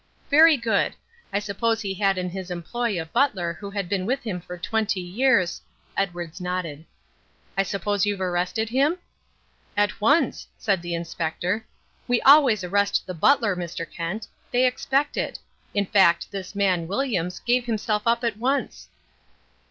"Very good, I suppose he had in his employ a butler who had been with him for twenty years " Edwards nodded. "I suppose you've arrested him?" "At once," said the Inspector. "We always arrest the butler, Mr. Kent. They expect it. In fact, this man, Williams, gave himself up at once."